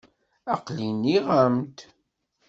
Aqli nniɣ-am-d.